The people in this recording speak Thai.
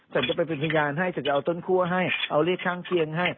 ฉันจะไปเป็นพยานให้ฉันจะเอาต้นคั่วให้เอาเลขข้างเคียงให้